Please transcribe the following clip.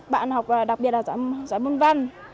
bạn học đặc biệt là giỏi môn văn